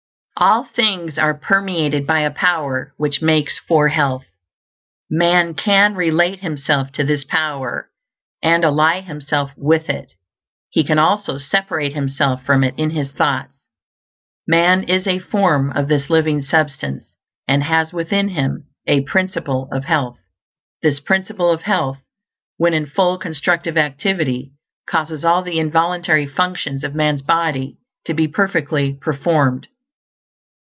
All things are permeated by a power which makes for health. Man can relate himself to this power, and ally himself with it; he can also separate himself from it in his thoughts. Man is a form of this Living Substance, and has within him a Principle of Health. This Principle of Health, when in full constructive activity, causes all the involuntary functions of man's body to be perfectly performed.